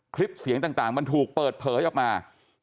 คลิปเสียงต่างมันถูกเปิดเผยออกมา